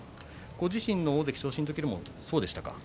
ご自身の大関昇進の時もそうでしたか。